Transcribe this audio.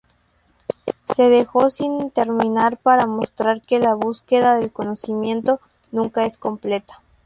Se dejó sin terminar para mostrar que la búsqueda del conocimiento nunca es completa.